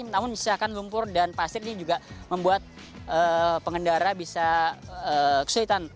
namun misalkan lumpur dan pasir ini juga membuat pengendara bisa kesulitan